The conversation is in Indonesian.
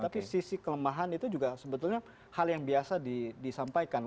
tapi sisi kelemahan itu juga sebetulnya hal yang biasa disampaikan